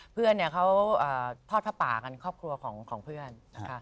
มาเที่ยวฟ้อสภปลากันข้อเป็นครอบครัวของเพื่อน